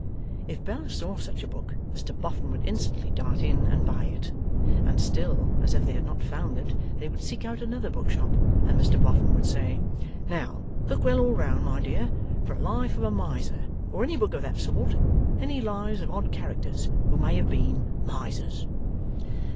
If Bella saw such a book, Mr Boffin would instantly dart in and buy it. And still, as if they had not found it, they would seek out another book shop, and Mr Boffin would say, 'Now, look well all round, my dear, for a Life of a Miser, or any book of that sort; any Lives of odd characters who may have been Misers.